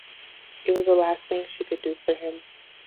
It was the last thing she could do for him.